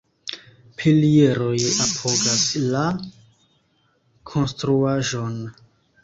Pilieroj apogas la konstruaĵon.